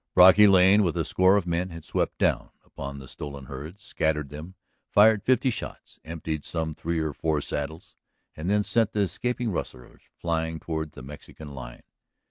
Brocky Lane with a score of men had swept down upon the stolen herds, scattered them, fired fifty shots, emptied some three or four saddles, and sent the escaping rustlers flying toward the Mexican line.